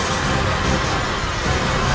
aku mau kesana